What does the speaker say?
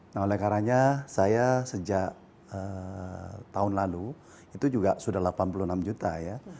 nah oleh karanya saya sejak tahun lalu itu juga sudah delapan puluh enam juta ya